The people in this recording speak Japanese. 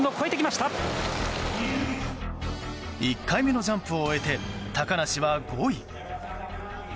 １回目のジャンプを終えて高梨は５位。